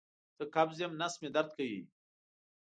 زه قبض یم نس مې درد کوي